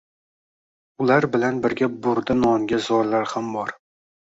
Ular bilan birga burda nonga zorlar ham bor.